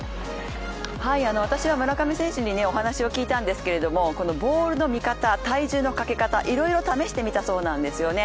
私は村上選手にお話を聞いたんですけれどもボールの見方、体重のかけ方、いろいろ試してみたそうなんですよね。